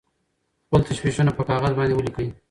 خپل تشویشونه په کاغذ باندې ولیکئ.